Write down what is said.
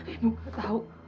ibu nggak tahu